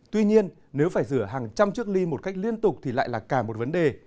tuy nhiên nếu phải rửa hàng trăm chiếc ly một cách liên tục thì lại là cả một vấn đề